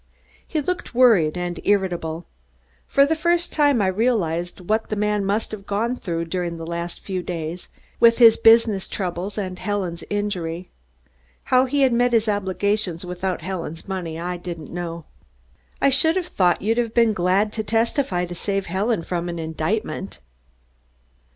He looked worried and irritable. For the first time I realized what the man must have gone through during the last few days, with his business troubles and Helen's injury. How he had met his obligations without Helen's money, I didn't know. "I should have thought you'd have been glad to testify to save Helen from an indictment."